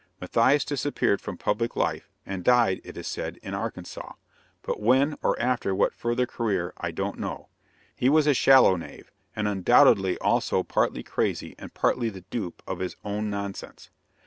Matthias disappears from public life, and died, it is said, in Arkansas; but when, or after what further career, I don't know. He was a shallow knave, and undoubtedly also partly crazy and partly the dupe of his own nonsense.